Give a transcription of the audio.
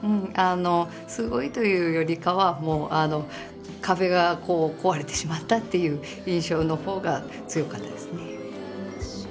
すごいというよりかは壁が壊れてしまったっていう印象の方が強かったですね。